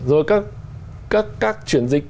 rồi các chuyển dịch